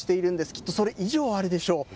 きっとそれ以上あるでしょう。